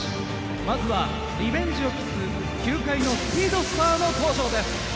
まずはリベンジを期す球界のスピードスターの登場です。